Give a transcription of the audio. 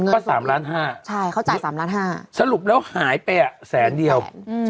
ก็๓ล้าน๕ใช่เขาจ่าย๓ล้านห้าสรุปแล้วหายไปอ่ะแสนเดียว